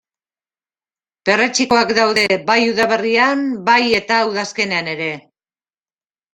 Perretxikoak daude bai udaberrian bai eta udazkenean ere.